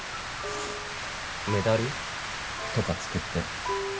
メダル？とか作って。